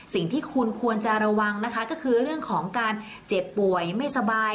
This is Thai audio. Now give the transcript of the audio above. สิ่งที่คุณควรจะระวังนะคะก็คือเรื่องของการเจ็บป่วยไม่สบาย